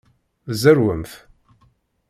Zerwemt!